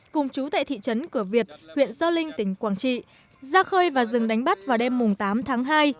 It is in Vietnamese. cùng chú tại thị trấn cửa việt huyện gio linh tỉnh quảng trị ra khơi và dừng đánh bắt vào đêm tám tháng hai